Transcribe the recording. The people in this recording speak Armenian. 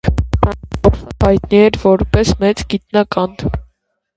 Կոլումբոսը հայտնի էր որպես մեծ գիտնական։